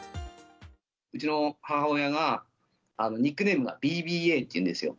うちの母親がニックネームがＢＢＡっていうんですよ。